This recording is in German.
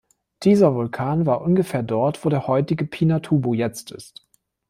Dieser Vulkan war ungefähr dort, wo der heutige Pinatubo jetzt ist.